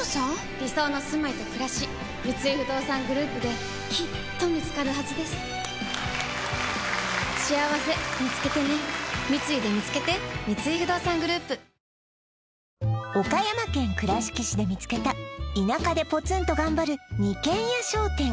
理想のすまいとくらし三井不動産グループできっと見つかるはずですしあわせみつけてね三井でみつけて岡山県倉敷市で見つけた田舎でポツンと頑張る二軒屋商店